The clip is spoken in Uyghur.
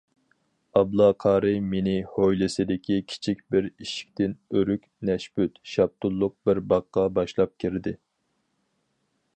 ئابلا قارى مېنى ھويلىسىدىكى كىچىك بىر ئىشىكتىن ئۆرۈك، نەشپۈت، شاپتۇللۇق بىر باغقا باشلاپ كىردى.